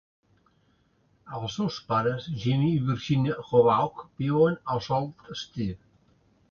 Els seus pares, Jimmie i Virginia Hobaugh, viuen a Sault Ste.